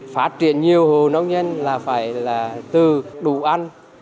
phát triển nhiều hồ nông dân là phải là từ đủ ăn